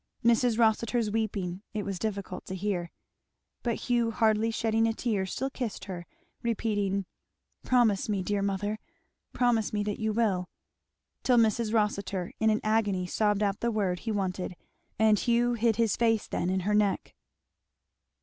Mrs. Rossitur's weeping it was difficult to hear. But Hugh hardly shedding a tear still kissed her, repeating, "Promise me, dear mother promise me that you will;" till Mrs. Rossitur in an agony sobbed out the word he wanted, and Hugh hid his face then in her neck.